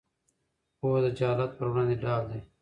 پوهه د جهالت پر وړاندې ډال دی.